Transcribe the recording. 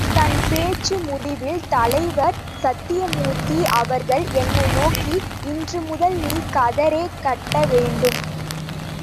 தன் பேச்சு முடிவில் தலைவர் சத்யமூர்த்தி அவர்கள் என்னை நோக்கி, இன்று முதல் நீ கதரே கட்ட வேண்டும்.